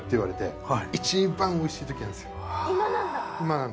今なんだ。